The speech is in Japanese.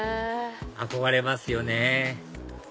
憧れますよね